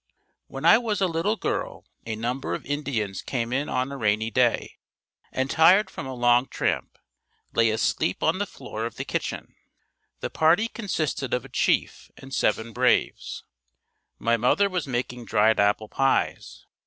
When I was a little girl a number of Indians came in on a rainy day, and tired from a long tramp, lay asleep on the floor of the kitchen. The party consisted of a chief and seven braves. My mother was making dried apple pies.